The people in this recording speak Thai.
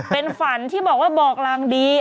เป็นฝันที่บอกว่าบอกรางดี